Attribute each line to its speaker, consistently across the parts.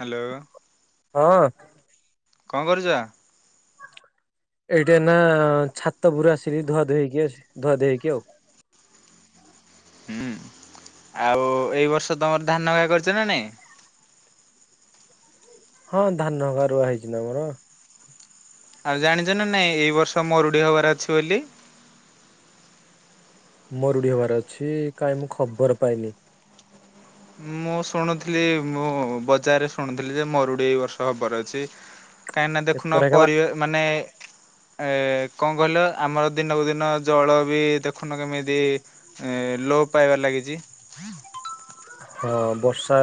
Speaker 1: Hello.
Speaker 2: ହଁ।
Speaker 1: କଣ କରୁଛ?
Speaker 2: ଏଇଟା ନା ଛାତ ପୁର ଆସିଲି ଧୁଆ ଧୁଇ ହେଇକି ଆସି ଧୁଆ ଧୀ ଧେଇଇକି ଆଉ।
Speaker 1: ହୁଁ ଆଉ ଏଇ ବର୍ଷ ତମର ଧାନଗା କରିଛ ନା ନାଇଁ।
Speaker 2: ହଁ ଧାନ ଗାରୁଆ ହେଇଛି ନା ଆମର।
Speaker 1: ଆଉ ଜାଣିଛ ନା ନାଇଁ ଏଇ ବର୍ଷ ମୋରୁଡି ହବାର ଅଛି ବୋଲି।
Speaker 2: ମୋରଡିବାର ଅଛି କାହିଁ ମୁଁ ଖବର ପାଇନି।
Speaker 1: ମୁଁ ଶୁଣୁଥିଲି ମୁଁ ବଜାରରେ ଶୁଣୁଥିଲି ଯେ ମରୁଡି ଏ ବର୍ଷ ହବାର ଅଛି। କାହିଁକିନା ଦେଖୁନ
Speaker 2: ପେପର ଏକା ବା
Speaker 1: ପରିବ ମାନେ ଏ- କଣ କହିଲ ଆମର ଦିନକୁ ଦିନ ଜଳ ବି ଦେଖୁନ କେମିତି ଲୋପ ପାଇବାର୍ ଲାଗି କେଜି।
Speaker 2: ହଁ ବର୍ଷା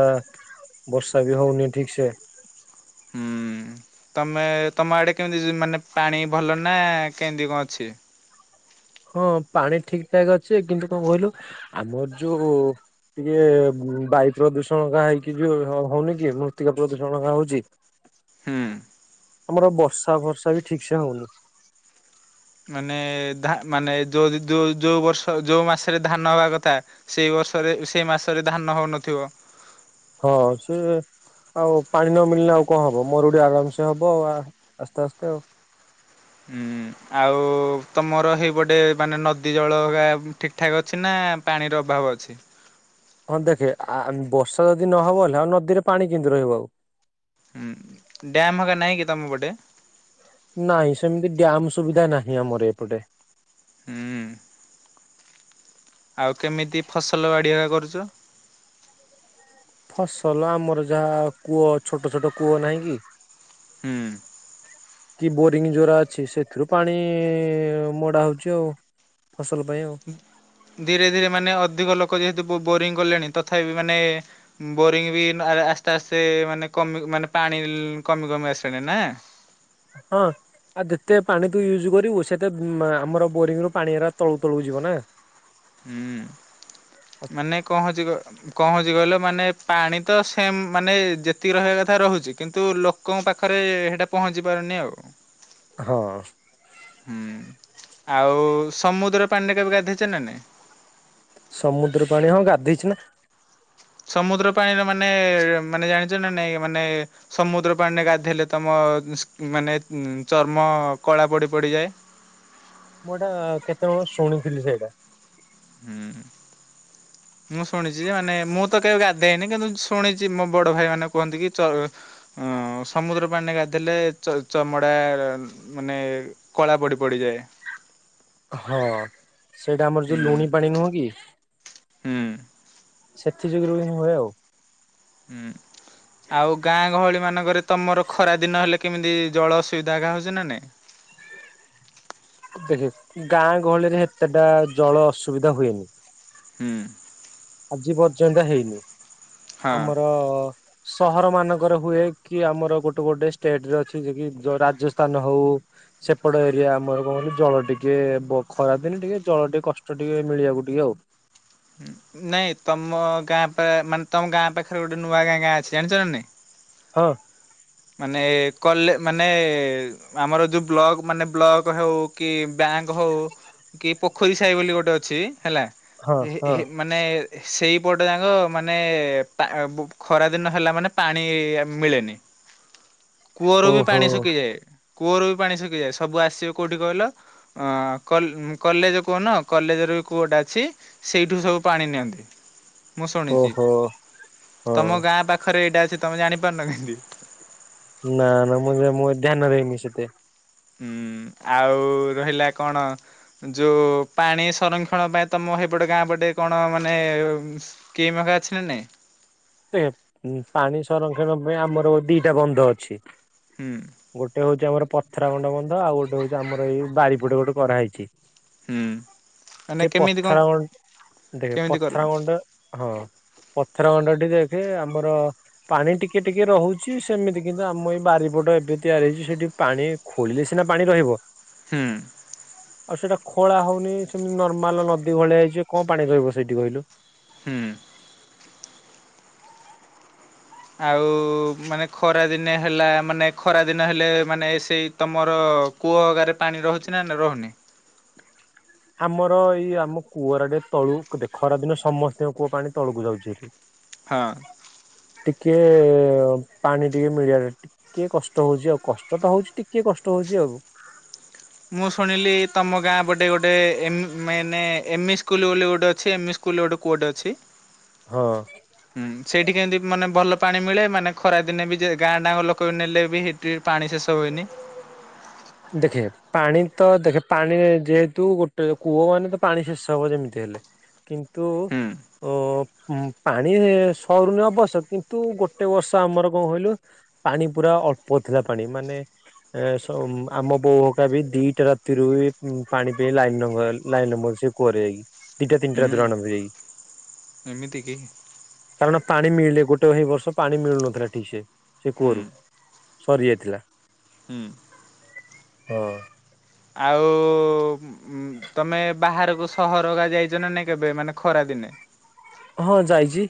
Speaker 2: ବର୍ଷା ବି ହଉନି ଠିକ୍ ସେ।
Speaker 1: ହୁଁ। ତମେ ତମ ଆଡ଼େ କେମିତି ଜୁ ମାନେ ପାଣି ଭଲ ନା କେନ୍ତି କଣ ଅଛି?
Speaker 2: ହଁ ପାଣି ଠିକ୍ ଠାକ୍ ଅଛି ଯେ କିନ୍ତୁ କଣ କହିଲୁ ଆମର ଯୋଉ ଟିକେ ବାୟୁପ୍ରଦୂଷଣ ହକା ହେଇକି ଯଉ ହଉନି କି ମୃତ୍ତିକାପ୍ରଦୂଷଣ ହକା ହଉଛି।
Speaker 1: ହୁଁ।
Speaker 2: ଆମର ବର୍ଷାଫର୍ଷା ବି ଠିକ୍ ସେ ହଉନି।
Speaker 1: ମାନେ ଧା ମାନେ ଯୋଉ ଯୋଉ ଯୋଉ ବର୍ଷ ଯୋଉ ମାସେରେ ଧାନ ହବା କଥା ସେଇଵ ସରେ ସେ ମାସରେ ଧାନ ହଉନଥିବ।
Speaker 2: ହଁ ସେ ଆଉ ପାଣି ନ ମିଳିଲେ ଆଉ କଣ ହବ ମରୁଡ଼ି ଆରାମସେ ହବ ଆ ଆସ୍ତେ ଆସ୍ତେ ଆଉ।
Speaker 1: ହୁଁ ଆଉ ତମର ହେଇପଟେ ମାନେ ନଦୀଜଳ ହକା ଠିକ୍ ଠାକ୍ ଅଛି ନା ନା ପାଣିର ଅଭାବ ଅଛି।
Speaker 2: ହଁ ଦେଖେ ଆ ବର୍ଷା ଯଦି ନହବ ହେଲେ ଆଉ ନଦୀରେ ପାଣି କେମିତି ରହିବ ଆଉ।
Speaker 1: ହୁଁ ଡ୍ୟାମ୍ ହେକା ନାଇଁ କି ତମ ପଟେ?
Speaker 2: ନାଇଁ ସେମିତି ଡ୍ୟାମ୍ ସୁବିଧା ନାହିଁ ଆମର ଏପଟେ।
Speaker 1: ହୁଁ। ଆଉ କେମିତି ଫସଲବାଡ଼ିି ହେକା କରୁଛ?
Speaker 2: ଫସଲ ଆମର ଯାହା କୂଅ ଛୋଟ ଛୋଟ କୂଅ ନାହିଁ କି?
Speaker 1: ହୁଁ।
Speaker 2: କି ବୋରିଂ ଯୋରା ଅଛି ସେଥିରୁ ପାଣି ଇଁ ମଡ଼ା ହଉଛି ଆଉ। ଫସଲ ପାଇଁ ଆଉ।
Speaker 1: ଧୀରେ ଧୀରେ ମାନେ ଅଧିକ ଲୋକ ଯେହେତୁ ବୋର ବୋରିଂ କଲେଣି ତଥାପି ମାନେ ବୋରିଂ ବି ନା ଆସ୍ତେ ଆସ୍ତେ ମାନେ କମି ମାନେ ପାଣି କମି କମି ଆସିଲାଣି ନା।
Speaker 2: ହଁ। ଆଉ ଯେତେ ପାଣି ତୁ ୟୁଜ୍ କରିବୁ ସେତେ ମା ଆମର ବୋରିଙ୍ଗ ରୁ ପାଣିରା ତଳୁକୁ ତଳୁକୁ ଯିବ ନା।
Speaker 1: ହୁଁ ମାନେ କଣ ହଉଛି କ କ ହଉଛି କହିଲ ମାନେ ପାଣି ତ ସେମ୍ ମାନେ ଯେତିକି ରହିବା କଥା ରହୁଛି କିନ୍ତୁ ଲୋକଙ୍କ ପାଖରେ ଏ ହେଟା ପହଞ୍ଚି ପାରୁନି ଆଉ।
Speaker 2: ହଁ।
Speaker 1: ହୁଁ ଆଉ ସମୁଦ୍ର ପାଣିରେ କେବେ ଗାଧେଇଛ ନା ନାଇ?
Speaker 2: ସମୁଦ୍ର ପାଣି ହଁ ଗାଧେଇଛି ନା।
Speaker 1: ସମୁଦ୍ର ପାଣିରେ ମାନେ ମାନେ ଜାଣିଛ ନା ନାଇଁ ମାନେ ସମୁଦ୍ର ପାଣିରେ ଗାଧେଇଲେ ତମ ହଁ ସ୍କିନ୍ ମାନେ ଉଁ ଚର୍ମ କଳା ପଡ଼ିପଡ଼ି ଯାଏ।
Speaker 2: ମୁଁ ଏଇଟା କେତେବେଳୁ ଶୁଣିଥିଲି ସେଇଟା।
Speaker 1: ହୁଁ। ମୁଁ ଶୁଣିଛି ଯେ ମାନେ ମୁଁ ତ କେବେ ଗାଧେଇନି କିନ୍ତୁ ଶୁଣିଛି ମୋ ବଡ଼ଭାଇ ମାନେ କୁହନ୍ତି କି ଚଅ ହଁ ସମୁଦ୍ର ପାଣିରେ ଗାଧେଇଲେ ଚ ଚମଡ଼ା ମାନେ କଳା ପଡ଼ିପଡ଼ି ଯାଏ।
Speaker 2: ହଁ ସେଇଟା ଆମର ଯୋଉ
Speaker 1: ହୁଁ
Speaker 2: ଲୁଣି ପାଣି ନୁହଁ କି
Speaker 1: ହୁଁ
Speaker 2: ସେଥି ଯୁଗୁରୁ ହୁଏ ଆଉ।
Speaker 1: ହୁଁ ଆଉ ଗାଁ ଗହଳି ମାନଙ୍କରେ ତମର ଖରା ଦିନ ହେଲେ କେମିତି ଜଳ ଅସୁବିଧା ହେକା ହଉଛି ନା ନାଇ।
Speaker 2: [unintelligible] ଗାଁ ଗହଳିରେ ହେତେଟା ଜଳ ଅସୁବିଧା ହୁଏନି।
Speaker 1: ହୁଁ।
Speaker 2: ଆଜି ପର୍ଯ୍ୟନ୍ତ ହେଇନି
Speaker 1: ହଁ।
Speaker 2: ଆମର ସ୍ ସହର ମାନଙ୍କରେ ହୁଏ କି ଆମର ଗୋଟେ ଗୋଟେ ଷ୍ଟେଟ୍ ରେ ଅଛି ଯେ କି ରାଜସ୍ଥାନ ହଉ ସେପଟ ଏରିଆ ଆମର କଣ କହିଲୁ ଜଳ ଟିକେ ବ ଖରାଦିନେ ଟିକେଜଳ ଟିକେ କଷ୍ଟ ଟିକେ ମିଳିବାକୁ ଟିକେ ଆଉ।
Speaker 1: ନାଇଁ ତମ ଗାଁ ପା ମାନେ ତମ ଗାଁ ପାଖରେ ଗୋଟେ ନୂଆଗାଁ ଗାଁ ଅଛି ଜାଣିଛନା ନାଇ।
Speaker 2: ହଁ।
Speaker 1: ମାନେ କଲେ ମାନେ ଆମର ଯୋଉ ବ୍ ମାନେ ବ୍ଲକ ହେଉ ବ୍ଯା ବ୍ୟାଙ୍କ୍ ହଉ କି ପୋଖରୀ ସାହି ବୋଲି ଗୋଟେ ଅଛି ହେଲା
Speaker 2: ହଁ
Speaker 1: ହେ
Speaker 2: ହଁ
Speaker 1: ହେ ମାନେ ସେଇପଟେ ଯାକ ମାନେ ପା ଉ ଖରାଦିନ ହେଲାମାନେ ପାଣି ମିଳେନି। କୂଅରୁ ବି
Speaker 2: ଓହୋ
Speaker 1: ପାଣି ଶୁଖିଯାଏ। କୂଅରୁ ବି ପାଣି ଶୁଖିଯାଏ ସବୁ ଆସିବେ କୋଉଠି କହିଲ ଅ କଲ କଲେଜ କୂଅ କଲେଜ ଯୋଉ କୁଅଟା ଅଛି ସେଇଠୁ ସବୁ ପାଣି ନିଅନ୍ତି। ମୁଁ ଶୁଣିଛି
Speaker 2: ଓହୋ ହଁ
Speaker 1: ତମ ଗାଁ ପାଖରେ ଏଇଟା ଅଛି ତମେ ଜାଣିପାରୁନ କେମତି?
Speaker 2: ନା ନା ମୁଁ ମୁଁ ଧ୍ୟାନ ଦେଇନି ସେତେ।
Speaker 1: ହୁଁ ଆଉ ରହିଲା କଣ ଯୋଉ ପାଣି ସଂରକ୍ଷଣ ପାଇଁ ତମ ହେଇପଟ ଗାଁ ପଟେ କଣ ମାନେ ସ୍କି ମ ହେକା ଅଛି କି ନାହିଁ?
Speaker 2: ପେ ପାଣି ସଂରକ୍ଷଣ ପାଇଁ ଆମର ଦିଟା ବନ୍ଧ ଅଛି।
Speaker 1: ହୁଁ
Speaker 2: ଗୋଟେ ହଉଛି ଆମର ପଥରା ଖଣ୍ଡ ବନ୍ଧ। ଆଉ ଗୋଟେ ହଉଛି ଆମର ଏଇ ବାରିପଟେ ଗୋଟେ କରାହେଇଛି।
Speaker 1: ହୁଁ। ମାନେ
Speaker 2: ଯେ
Speaker 1: କେମିତି କଣ
Speaker 2: ପଥର ଦେଖେ
Speaker 1: କେମିତି
Speaker 2: ପଥର
Speaker 1: କରନ୍ତି?
Speaker 2: ଖଣ୍ଡ ହଁ ପଥର ଖଣ୍ଡ ଠି ଦେଖେ ଆମର ପାଣି ଟିକେ ଟିକେ ରହୁଚି, ସେମିତି କିନ୍ତୁ ଆମ ଏଇ ବାରିପଟ ଏବେ ତିଆରି ହେଇ ସେଠି ପାଣି ଖୋଳିଲେ ସିନା ପାଣି ରହିବ।
Speaker 1: ହୁଁ।
Speaker 2: ଆଉ ସେଇଟା ଖୋଳା ହଉନି ସେମିତି ନର୍ମାଲ ନଦୀ ଭଳିଆ ହେଇଚି କଁ ପାଣି ରହିବ ସେଇଠି କହିଲୁ।
Speaker 1: ହୁଁ। ଆଉ ମାନେ ଖରା ଦିନ ହେଲା, ମାନେ ଖରା ଦିନ ହେଲେ ମାନେ ସେଇ ତମର କୂଅ ହେକାରେ ପାଣି ରହୁଛି ନା, ନା ରହୁନି?
Speaker 2: ଆମର ଏଇ ଆମ କୂଅର ଟେ ତଳୁକୁ ଦେଖ ଖରା ଦିନ ସମସ୍ତିଙ୍କ କୂଅ ପାଣି ତଳକୁ ଯାଉଛି ଏଠି।
Speaker 1: ହଁ।
Speaker 2: ଟିକେ ପାଣି ଟିକେ ମିଳିବାରେ ଟିକେ କଷ୍ଟ ହଉଚି ଆଉ, କଷ୍ଟ ତ ହଉଚି ଟିକେ କଷ୍ଟ ହଉ ଚି ଆଉ।
Speaker 1: ହ ମୁଁ ଶୁଣିଲି ତମ ଗାଁ ପଟେ ଗୋଟେ ଏମ୍ ମେନେ ଏମି ସ୍କୁଲ ବୋଲି ଗୋଟେ ଅଛି, ଏମି ସ୍କୁ ସ୍କୁଲରେ ଗୋଟେ କୂଅଟେ ଅଛି।
Speaker 2: ହଁ।
Speaker 1: କେମତି ମାନେ ଭଲ ପାଣି ମିଳେ ମାନେ ଖରା ଦିନେ ବି ଯେ ଗାଁ ଡା ଲୋକ ବି ନେଲେ ବି ସେଠି ପାଣି ଶେଷ ହୁଏନି। ହ
Speaker 2: ଦେଖେ ପାଣି ତ ଦେଖେ ପାଣି ଯେହେତୁ ଗୋଟେ କୂଅ ମାନେ ତ ପାଣି ଶେଷ ହବ ଯେମିତି ହେଲେ। କିନ୍ତୁ
Speaker 1: ହୁଁ
Speaker 2: ଓହୋ ପାଣି ସରୁନି ଅବଶ୍ୟ କିନ୍ତୁ ଗୋଟେ ବର୍ଷ ଆମର କଣ କହିଲୁ ପାଣି ପୁରା ଅଳ୍ପ ଥିଲା ପାଣି ମାନେ ସ ଆମ ବୋଉ ହକା ବି ଦିଟା ରାତିରୁ ପାଣି ପାଇଁ ଲାଇନ ଲଗା ଲାଇନ [unintelligible] କୂଅରେ ଯାଇକି। ଦିଟା ତିନିଟା
Speaker 1: ହୁଁ
Speaker 2: ରାତିରୁ [unintelligible] ଯାଇକି
Speaker 1: ଏମିତି କି?
Speaker 2: କାରଣ ପାଣି ପାଣି ମିଳିଲେ ଗୋଟେ ସେଇ ବର୍ଷ ପାଣି ମିଳୁନଥିଲା ଠିକ ସେ ସେ
Speaker 1: ହୁଁ
Speaker 2: କୁଅରୁ, ସରି ଯାଇଥିଲା।
Speaker 1: ହୁଁ।
Speaker 2: ହଁ।
Speaker 1: ଆଉ ଉମ ତମେ ବାହାରକୁ ସହର ହେକା ଯାଇଛ ନା ନାଇଁ କେବେ ମାନେ ଖରା ଦିନେ।
Speaker 2: ହଁ ଯାଇଚି।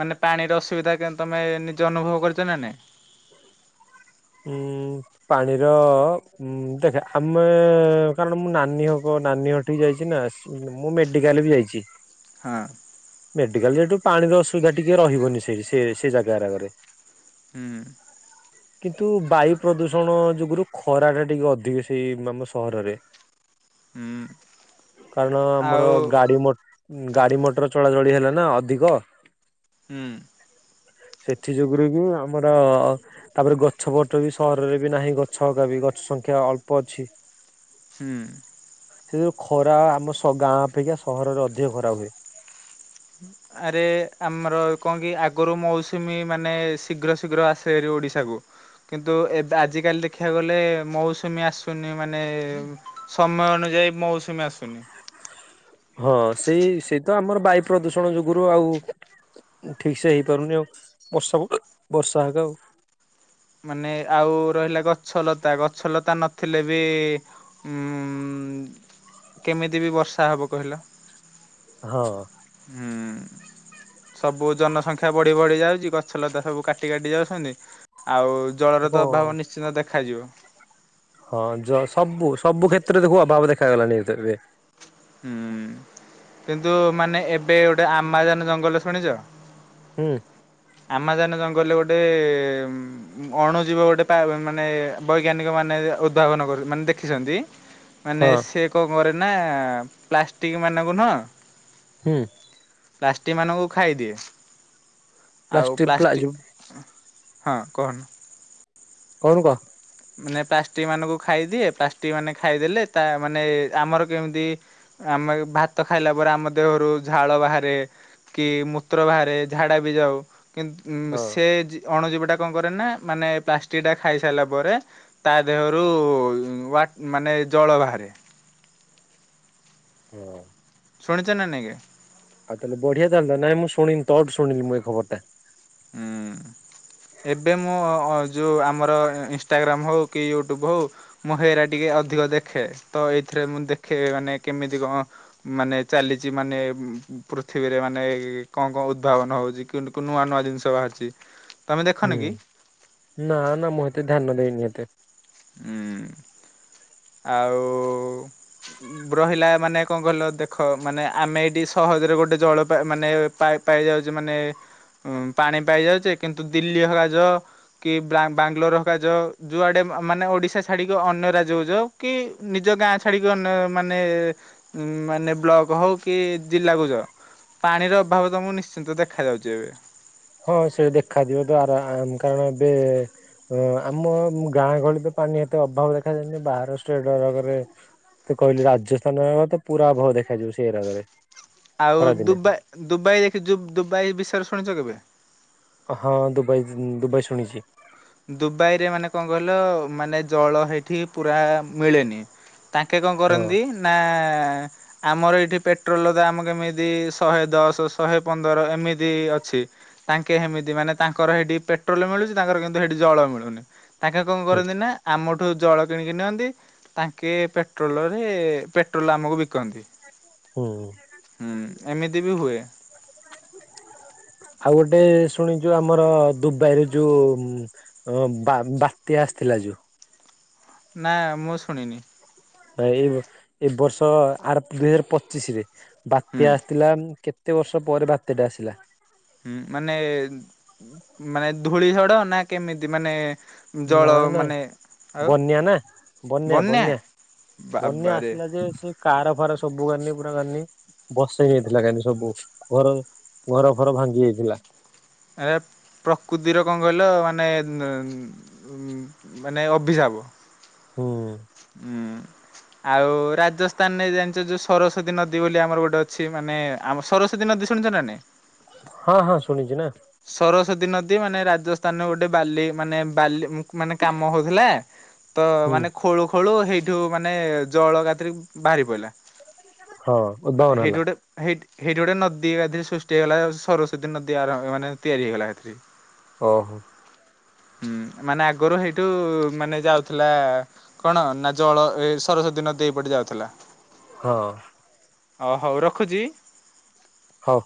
Speaker 1: ମାନେ ପାଣିର ଅସୁବିଧା କେମ ତମେ ନିଜେ ଅନୁଭବ କରିଚ ନା ନାଇଁ।
Speaker 2: ଉଁ ପାଣିର ଉଁ ଦେଖେ ଆମେ କାରଣ ମୁଁ ନାନୀ ହକ ମୋ ନାନୀ ଘଠିକି ଯାଇଛି ନା, ସ ମୁଁ ମେଡିକାଲ ବି ଯାଇଛି।
Speaker 1: ହଁ।
Speaker 2: ମେଡିକାଲ ଯେହେତୁ ପାଣିର ଅସୁବିଧା ଟିକେ ରହିବନି ସେଠି ସେ ସେ ଜାଗା ହେଗେରାରେ।
Speaker 1: ହୁଁ।
Speaker 2: କିନ୍ତୁ ବାୟୁ ପ୍ରଦୂଷଣ ଯୋଗୁରୁ ଖରା ଟା ଟିକେ ଅଧିକ ସେହି ଆମ ସହରରେ।
Speaker 1: ହୁଁ
Speaker 2: କାରଣ ଆମର
Speaker 1: ଆଉ
Speaker 2: ଗାଡି ମଟ ଗାଡି ମଟର ଚଳାଚଳି ହେଲା ନା ଅଧିକ।
Speaker 1: ହୁଁ।
Speaker 2: ସେଥି ଯୋଗୁରୁ ହିଁ ଆମର ତାପରେ ଗ ଛ ପଟ ବି ସହରରେ ବି ନାହିଁ ଗଛ ହେକା ବି ଗଛ ସଂଖ୍ୟା ଅଳ୍ପ ଅଛି।
Speaker 1: ହୁଁ।
Speaker 2: ସେଯୋଗୁ ଖରା ଆମ ସ ଗାଁ ଅପେକ୍ଷା ସହରରେ ଅଧିକ ଖରା ହୁଏ।
Speaker 1: ଆରେ ଆମର କଣ କି ଆଗରୁ ମୌସୁମୀ ମାନେ ଶୀଘ୍ର ଶୀଘ୍ର ଆସେ ଏରି ଓଡିଶାକୁ। କିନ୍ତୁ ଏବେ ଆଜିିକାଲି ଦେଖିବାକୁ ଗଲେ ମୌସୁମୀ ଆସୁନି ମାନେ ସମୟ ଅନୁଯା ଯାଇ ମୌସୁମୀ ଆସୁନି।
Speaker 2: ହଁ ସେଇ ସେଇ ତ ଆମର ବାୟୁ ପ୍ରଦୂଷଣ ଯୋଗୁରୁ ଆଉ ଠିକ ସେ ହେଇପାରୁନି ଆଉ ବର୍ଷା ବର୍ଷା ହେକାଆଉ
Speaker 1: ମାନେ ଆଉ ରହିଲା ଗଛଲତା ଗଛଲତା ନଥିଲେ ବି ଉ କେମିତି ବି ବର୍ଷା ହବ କହିଲ
Speaker 2: ହଁ
Speaker 1: ସବୁ ଜନସଂଖ୍ୟା ବଢି ବଢି ଯାଉଛି ଗଛ ଲତା ସବୁ କାଟି କାଟି ଯାଉଛନ୍ତି। ଆଉ
Speaker 2: ଆଉ
Speaker 1: ଜଳର ତ
Speaker 2: କଣ
Speaker 1: ଅଭାବ ନିଶ୍ଚିନ୍ତ ଦେଖାଯିବ।
Speaker 2: ହଁ ଯ ସବୁ ସବୁ କ୍ଷେତ୍ରରେ ଦେଖୁ ଅଭାବ ଦେଖାଗଲାଣିି ଏବେ।
Speaker 1: ହୁଁ କିନ୍ତୁ ମାନେ ଏବେ ଗୋଟେ ଆମାଜାନ ଜଙ୍ଗଲ ଶୁଣିଛ।
Speaker 2: ହୁଁ
Speaker 1: ଆମାଜାନ ଜଙ୍ଗଲରେ ଗୋଟେ ଅଣୁ ଜୀବ ଗୋଟେ ମାନେ ବୈଜ୍ଞାନିକ ମାନ ମାନେ ଉଦ୍ଭାବନ କ ମାନେ ଦେଖିଛନ୍ତି। ମାନେ
Speaker 2: ହଁ
Speaker 1: ସେ କଣ କରେନା ପ୍ଲାଷ୍ଟିକ ମାନଙ୍କୁ ନୁହ
Speaker 2: ହୁଁ
Speaker 1: ପ୍ଲାଷ୍ଟିକ ମାନଙ୍କୁ ଖାଇଦିଏ ଆଉ
Speaker 2: ପ୍ଲାଷ୍ଟିକ ପ୍ଲା
Speaker 1: ପ୍ଲାଷ୍ଟି
Speaker 2: ଯୋଉ
Speaker 1: ହଁ କହନ୍
Speaker 2: କହୁନୁ କହ
Speaker 1: ମାନେ ପ୍ଲାଷ୍ଟିକ ମାନଙ୍କୁ ଖାଇଦିଏ ପ୍ଲାଷ୍ଟିକ ମାନେ ଖାଇଦେଲେ ତା ମାନେ ଆମର କେମିତି ଆମେ ଭାତ ଖାଇଲା ପରେ ଆମ ଦେହରୁ ଝାଳ ବାହାରେ କି ମୂତ୍ର ବାହାରେ ଝାଡା ବି ଯାଉ କିନ୍ତୁ
Speaker 2: ହଁ।
Speaker 1: ସେ ଅଣୁଜୀବଟା କଣ କରେନା ମାନେ ପ୍ଲାଷ୍ଟିକ ଟା ଖାଇ ସାରିଲା ପରେ ତା ଦେହରୁ ୱା ମାନେ ଜଳ ବାହାରେ।
Speaker 2: ହୁଁ
Speaker 1: ଶୁଣିଚନା ନାଇଁ
Speaker 2: ଆଉ ତାହେଲେ ବଢିଆ ତାହେଲେ ନାଇଁ ମୁଁ ଶୁଣିନି ତୋଠୁ ଶୁଣିଲି ମୁଁ ଏଇ ଖବର ଟା।
Speaker 1: ହୁଁ ଏବେ ମୁଁ ଯେଉଁ ଆମର ଇନଷ୍ଟାଗ୍ରାମ୍ ହେଉ କି ୟୁଟ୍ୟୁବ୍ ହେଉ ମୁଁ ହେରା ଟିକେ ଅଧିକ ଦେଖେ ତ ଏଇଥି ରେ ମୁଁ ଦେଖେ ମାନେ କେମିତି କଣ ମାନେ ଚାଲିଛି ମାନେ ପୃଥିବୀରେ ମାନେ କଣ କଣ ଉଦଦ୍ଭାବନ ହଉଛି କି ନୂଆ ନୂଆ ଜିନିଷ ବାହାରିଛି। ତମେ ଦେଖନି
Speaker 2: ହୁଁ
Speaker 1: କି?
Speaker 2: ନା ନା ମୁଁ ଏତେ ଧ୍ୟାନ ଦେଇନି ଏତେ।
Speaker 1: ହୁଁ ଆଉ ରହିଲା ମାନେ କଣ କହିଲ ଦେଖ ମାନେ ଆମେ ଏଇଠି ସହ ରେ ଗୋଟେ ଜଳ ପା ମାନେ ପାଇ ପାଇ ଯାଉଚେ ମାନେ ଉ ପାଣି ପାଇ ଯାଉଛେ କିନ୍ତୁ ଦିଲ୍ଲୀ ହକା ଜ କି ବା ବାଙ୍ଗଲୋର ହକା ଯ ଯୋଉଆଡେ ମାନେ ଓଡିଶା ଛାଡିକି ଅନ୍ୟ ରାଜ୍ୟ କୁ ଯଅ କି ନିଜ ଗାଁ ଛାଡ଼ିକି ଅନ୍ୟ ମାନେ ମାନେ ବ୍ଲକ ହଉ କି ଜିଲ୍ଲାକୁ ଯଅ ପାଣିର ଅଭାବ ତ ମୁଁ ନିଶ୍ଚିନ୍ତ ଦେଖା ଯାଉଛି ଏବେ।
Speaker 2: ହଁ ସେଟା ଦେଖାାଯିବ ତ ଆରାମ କାରଣ ଏବେ, ଓ ଆମ ଗାଁ ଗହଳି ତ ପାଣି ଏତେ ଅଭାବ ଦେଖାଯାଏନି ବାହାର ଷ୍ଟେଟ ହେରେକାରେ ତୁ କହିଲୁ ରାଜସ୍ଥାନ ର ତ ପୁରା ଆଭାବ ଦେଖାଯିବ ସେଇ ଏରଗରେ
Speaker 1: ଆଉ ଦୁବାଇ ଦୁବାଇ ଦେଖି ଦୁବାଇ ବିଷୟରେ ଶୁଣିଛ କେବେ
Speaker 2: ହଁ ଦୁବାଇ ଦୁବାଇ ଶୁଣିଛି।
Speaker 1: ଦୁବାଇରେ ମାନେ କଣ କହିଲ ମାନେ ଜଳ ହେଇଠି ପୁରା ମିଳେନି। ତାଙ୍କେ କଣ
Speaker 2: ହଁ
Speaker 1: କରନ୍ତି ନା ଆମର ଏଇଠି ପେଟ୍ରୋଲ ତ ଆମ କେମିତି ଶହେ ଦଶ ଶହେ ପନ୍ଦର ଏମିତି ଅଛି। ତାଙ୍କେ ହେମିତି ମାନେ ତାଙ୍କର ହେଠି ପେଟ୍ରୋଲ ମିଳୁଛି ତାଙ୍କର କି ହେଠି ଜଳ ମିଳୁନି ତାଙ୍କେ କଣ
Speaker 2: ହୁଁ
Speaker 1: କରନ୍ତି ନା ଆମ ଠୁ ଜଳ କିଣିକି ନିଅନ୍ତି ତାଙ୍କେ ପେଟ୍ରୋଲ ରେ ପେଟ୍ରୋଲ ଆମକୁ ବିକନ୍ତି।
Speaker 2: ହୁଁ
Speaker 1: ହୁଁ ଏମିତି ବି ହୁଏ।
Speaker 2: ଆଉ ଗୋଟେ ଶୁଣିଚୁ ଆମର ଦୁବାଇରେ ଯୋଉ ବା ବାତ୍ୟା ଆସିଥିଲା। କାଜୁ [inaudible]
Speaker 1: ନାଁ ମୁଁ ଶୁଣିନି।
Speaker 2: ଏଇ ଏ ବର୍ଷ ଆର ଦୁଇ ହଜାର ପଚିଶ ରେ
Speaker 1: ହୁଁ।
Speaker 2: ବାତ୍ୟା ଆସିଥିଲା କେ କେତେ ବର୍ଷ ପରେ ବାତ୍ୟାଟେ ଆସିଲା।
Speaker 1: ହୁଁ ମାନେ ମାନେ ଧୂଳିଝଡ ନା କେମିତି ମାନେ। ଜଳ
Speaker 2: ନାଇଁ ନାଇଁ
Speaker 1: ମାନେ ଆଉ
Speaker 2: ବନ୍ୟା ନା ବନ୍ୟା ବନ୍ୟା। ବନ୍ୟା
Speaker 1: ବାବାରେ
Speaker 2: ଆସିଲା ଯେ ସେ କାର ଫାର ସବୁ ଘନି ପୁରା ଘନି ବସେଇ ଯାଇଥିଲା କାଲି ସବୁ ଘର ଘର ଫର ଭାଙ୍ଗି ଯାଇଥିଲା।
Speaker 1: ଏ ପ୍ରକୃତିର କଣ କହିଲ ମାନେ ଉ ମାନେ ଅଭିସାପ। କୁହ।
Speaker 2: ହୁଁ।
Speaker 1: ହୁଁଉଁ। ଆଉ ରାଜସ୍ଥାନରେ ଜାଣିଚ ଯୋଉ ସରସ୍ଵତୀ ନଦୀ ବୋଲି ଆମର ଗୋଟେ ଅଛି ମାନେ ଆମ ସରସ୍ଵତୀ ନଦୀ। ଜେ ଶୁଣିଛ ନା ନାଇଁ।
Speaker 2: ହଁ ହଁ ଶୁନିଚି ନା।
Speaker 1: ବୀ ନଦୀ ମାନେ ରାଜସ୍ଥାନ ଗୋଟେ ବାଲି ମାନେ ବାଲିଉଁ ମାନେ କାମ ହଉଥିଲା ତ
Speaker 2: ହୁଁ
Speaker 1: ମାନେ ଖୋଳୁ ଖୋଳୁ ହେଇଠୁ ମାନେ ଜଳ ଏକାତିରେ ବାହାରି ପଇଲା।
Speaker 2: ହଁ
Speaker 1: ନା
Speaker 2: ଉଦ୍ଭାବନ
Speaker 1: ହେଇଠୁ
Speaker 2: ହେଲା
Speaker 1: ଗୋଟେ ହେଇଠି। ହେଇଠି ଗୋଟେ ନଦୀ ଏକାଥିରେ ସୃଷ୍ଟି ହେଇଗଲା ସରସ୍ଵତୀ ନଦୀ ଆରାମ ମାନେ ତିଆରି ହେଇଗଲା ଏକାଥରିକେ।
Speaker 2: ଓ ହୋ।
Speaker 1: ହୁଁ ମାନେ ଆଗରୁ ହେଇଠୁ ମାନେ ଯାଉଥିଲା ଆ କଣ ନା ଜଳ ଏ ସରସ୍ଵତୀ ନଦୀ ଏଇପଟେ ଯାଉଥିଲା।
Speaker 2: ହଁ।
Speaker 1: ଅ ହଉ ରଖୁଚି।
Speaker 2: ହଉ।